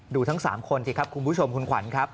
ทั้ง๓คนสิครับคุณผู้ชมคุณขวัญครับ